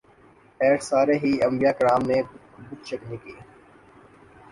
خیر سارے ہی انبیاء کرام نے بت شکنی کی ۔